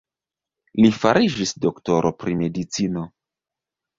Li fariĝis doktoro pri medicino.